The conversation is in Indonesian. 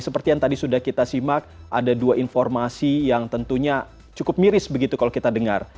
seperti yang tadi sudah kita simak ada dua informasi yang tentunya cukup miris begitu kalau kita dengar